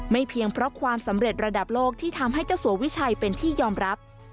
เพียงเพราะความสำเร็จระดับโลกที่ทำให้เจ้าสัววิชัยเป็นที่ยอมรับ